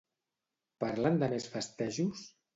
Parlen de més festejos?